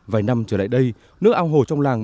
vài năm trở lại đây nước ao hồ trong làng